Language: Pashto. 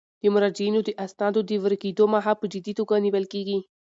د مراجعینو د اسنادو د ورکیدو مخه په جدي توګه نیول کیږي.